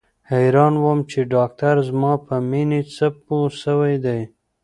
حيران وم چې ډاکتر زما په مينې څه پوه سوى دى.